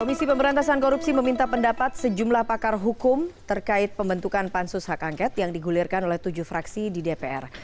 komisi pemberantasan korupsi meminta pendapat sejumlah pakar hukum terkait pembentukan pansus hak angket yang digulirkan oleh tujuh fraksi di dpr